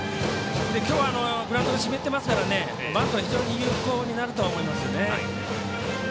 きょうはグラウンドが湿っていますからバントは非常に有効になると思いますね。